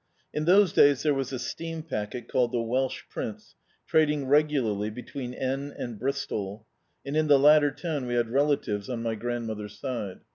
In those days there was a steam packet, called the Welsh Prince, trading regularly between N— — and Bristol, and in the latter town we had relatives on my grandmother's side.